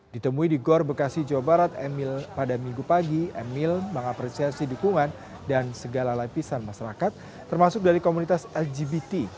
ditemui di gor bekasi jawa barat emil pada minggu pagi emil mengapresiasi dukungan dan segala lapisan masyarakat termasuk dari komunitas lgbt